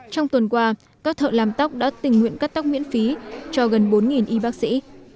trong tuần qua các thợ làm tóc đã tình nguyện cắt tóc miễn phí cho gần bốn y bác sĩ